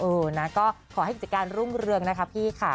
เออนะก็ขอให้กิจการรุ่งเรืองนะคะพี่ค่ะ